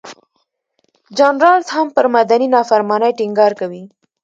جان رالز هم پر مدني نافرمانۍ ټینګار کوي.